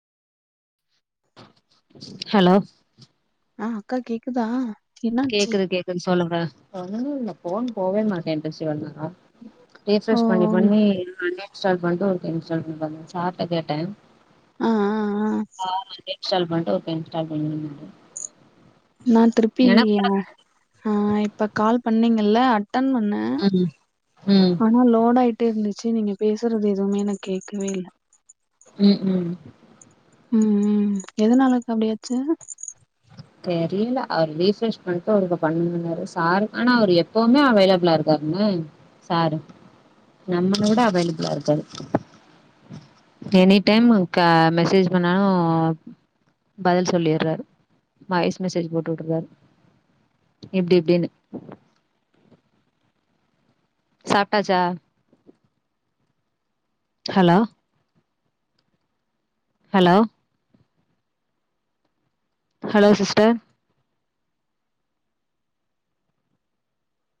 hello ஆ அக்கா கேக்குதா என்னாச்சு கேக்குது கேக்குதுன் சொல்லுங்க ஒன்னுல்ல ஃபோன் போவே மாட்டேன்ருச்சி இவ்ளோ நேரொ ஓ ரீஃப்ரெஸ் பண்ணி பண்ணி அன்இன்ஸ்டால் பண்ட்டு ஒருக்க இன்ஸ்டால் பண்ணி பாருங்க சார்ட கேட்டே ஆ ஆ ஆ சார் ஒருக்க இன்ஸ்டால் பண்டு ஒருக்க இன்ஸ்டால் பண்ணுங்கன்னாரு நா திருப்பி ஆ ஆ இப்ப கால் பண் ணிங்கல்ல அட்டன் பண்ண ம் ம் ஆனா லோடாயிட்டே இருந்துச்சு நீங்க பேசுறது எதுவுமே எனக் கேட்கவே இல்ல ம் ம் ம் ம் எதுனாலக்கா அப்டியாச்சு தெரியில அவர் ரீஃப்ரெஷ் பண்ட்டு அவருக்கு பண்னுன்னாரு சாரு ஆனா அவரு எப்பவுமே அவைலபிளா இருக்காருன்னே சாரு நம்மள விட அவைலபிளா இருக்காரு எனி டைம் க மெசேஜ் பண்ணாலும் பதில் சொல்லிறாரு வாய்ஸ் மெசேஜு போட்டு வுட்ருகாரு இப்டி இப்டின்னு சாப்ட்டாச்சா ஹலோ ஹலோ ஹலோ சிஸ்டர்